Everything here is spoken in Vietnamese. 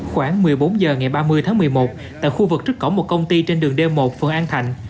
khoảng một mươi bốn h ngày ba mươi tháng một mươi một tại khu vực trước cổng một công ty trên đường d một phường an thạnh